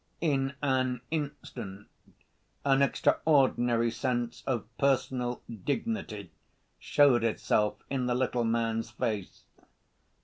In an instant an extraordinary sense of personal dignity showed itself in the little man's face.